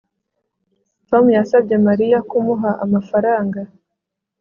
Tom yasabye Mariya kumuha amafaranga